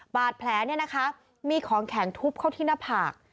บาดแผลเนี่ยนะคะมีของแข็งทุบเข้าที่หน้าผาก